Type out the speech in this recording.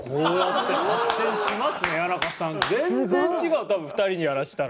全然違う多分２人にやらせたら。